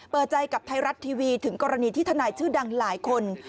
เปิดใจกับไทยรัฐทีวีถึงกรณีที่ทนายชื่อดังหลายคน